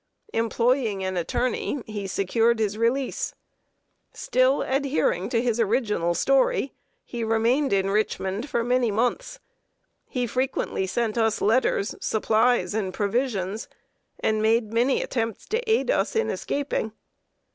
Employing an attorney, he secured his release. Still adhering to the original story, he remained in Richmond for many months. He frequently sent us letters, supplies, and provisions, and made many attempts to aid us in escaping.